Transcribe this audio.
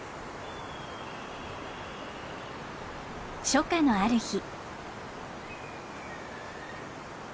初夏のある日。